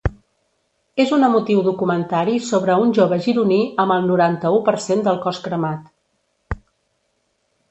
És un emotiu documentari sobre un jove gironí amb el noranta-u per cent del cos cremat.